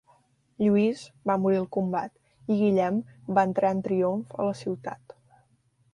Lluís va morir al combat i Guillem va entrar en triomf a la ciutat.